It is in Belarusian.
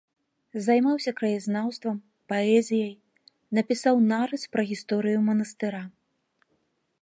Займаўся краязнаўствам, паэзіяй, напісаў нарыс пра гісторыю манастыра.